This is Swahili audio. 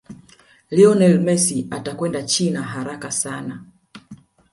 lionel Messi atakwenda china haraka sana